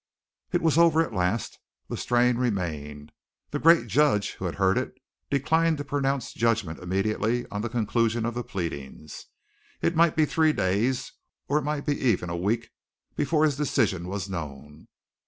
It was over at last. The strain remained, the great judge who had heard it declined to pronounce judgment immediately on the conclusion of the pleadings. It might be three days or it might be even a week before his decision was known.